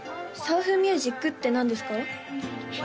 サーフミュージックって何ですか？